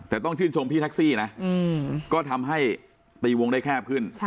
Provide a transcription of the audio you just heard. แต่ต้องชื่นชมพี่แท็กซี่นะก็ทำให้ตีวงได้แคบขึ้น